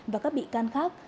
và các bị can khác